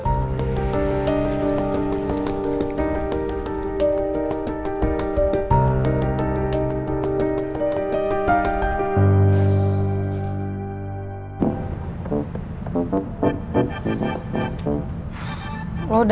sampai jumpa lagi